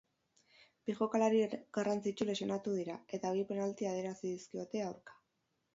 Bi jokalari garrantzitsu lesionatu dira, eta bi penalti adierazi dizkiote aurka.